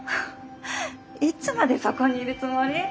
いつまでそこにいるつもり？